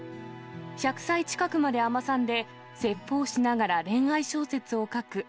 １００歳近くまで尼さんで、説法しながら恋愛小説を書く。